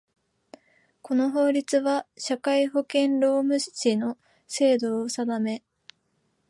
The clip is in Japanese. この法律は、社会保険労務士の制度を定め